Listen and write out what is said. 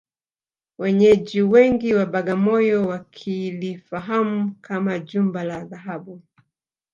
Wenyeji wengi wa Bagamoyo wakilifahamu kama Jumba la Dhahabu